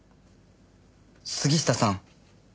杉下さん。